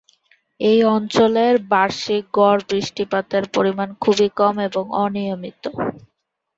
এ অঞ্চলের বার্ষিক গড় বৃষ্টিপাতের পরিমাণ খুবই কম এবং অনিয়মিত।